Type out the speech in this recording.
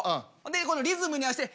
このリズムに合わして。